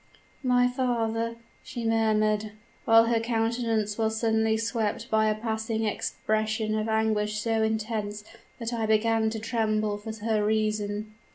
"'My father!' she murmured, while her countenance was suddenly swept by a passing expression of anguish so intense that I began to tremble for her reason.